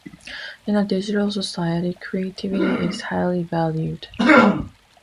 In a digital society, creativity is highly valued.